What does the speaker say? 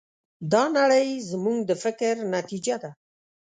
دا نړۍ زموږ د فکر نتیجه ده.